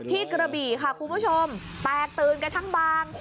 กระบี่ค่ะคุณผู้ชมแตกตื่นกันทั้งบาง